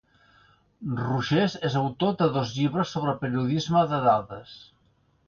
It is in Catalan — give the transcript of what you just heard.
Rogers és autor de dos llibres sobre periodisme de dades.